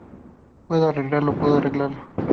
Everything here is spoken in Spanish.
puedo arreglarlo. puedo arreglarlo.